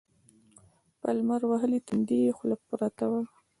په لمر وهلي تندي يې خوله پرته وه.